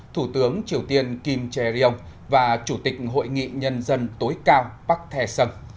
thủ tướng triều tiên kim trè riêng và chủ tịch hội nghị nhân dân tối cao bắc thè sân